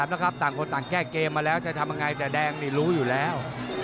เราจะทำยังไงแต่แดงรู้อยู่แล้ว